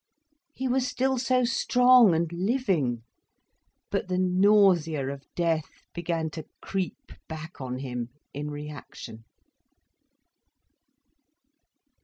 He was still so strong and living! But the nausea of death began to creep back on him, in reaction.